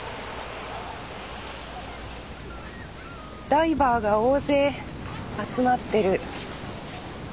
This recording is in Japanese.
ダイバーが大勢集まってる。